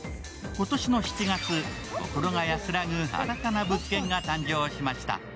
今年の７月心が安らぐ新たな物件が誕生しました。